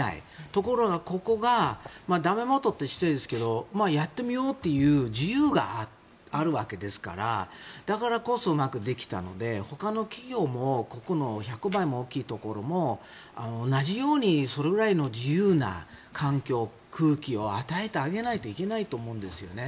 ところが、ここが駄目元と言ったら失礼ですけどやってみようっていう自由があるわけですからだからこそうまくできたのでほかの企業もここの１００倍大きいところも同じようにそれくらいの自由な環境空気を与えてあげないといけないと思うんですよね。